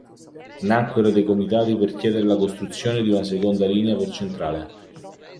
Nacquero dei comitati per chiedere la costruzione di una seconda linea più centrale.